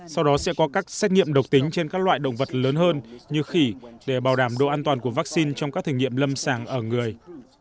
sau đó sẽ có các xét nghiệm độc tính trên các loại động vật lớn hơn như khỉ để bảo đảm độ an toàn của vaccine trong các thử nghiệm lâm sàng ở người